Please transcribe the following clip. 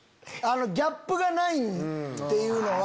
ギャップがないっていうのは。